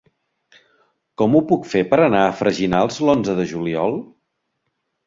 Com ho puc fer per anar a Freginals l'onze de juliol?